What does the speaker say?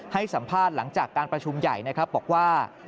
ให้สัมภาษณ์หลังจากการประชุมใหญ่นะครับบอกว่า